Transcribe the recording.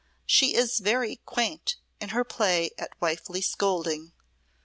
"She is very quaint in her play at wifely scolding.